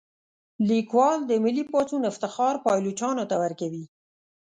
لیکوال د ملي پاڅون افتخار پایلوچانو ته ورکوي.